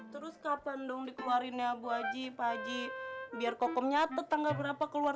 terus kapan dong dikeluarin ya bu aji pak aji biar kokom nyatet tanggal berapa keluar